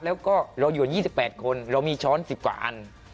แล้วก็เราอยู่๒๘คนเรามีช้อน๑๐กว่าอัน